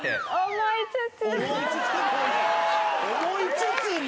「思いつつも」